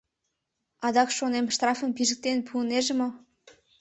Адак, шонем, штрафым пижыктен пуынеже мо?